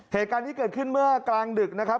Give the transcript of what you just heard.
เหตุการณ์นี้เกิดขึ้นเมื่อกลางดึกนะครับ